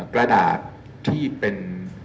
กระดาษที่เป็น